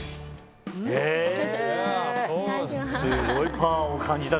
すごいパワーを感じたな